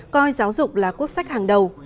coi giáo dục là quốc sách hàng đầu